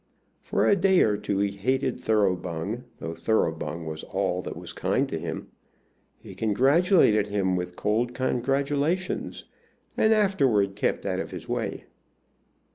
For a day or two he hated Thoroughbung, though Thoroughbung was all that was kind to him. He congratulated him with cold congratulations, and afterward kept out of his way.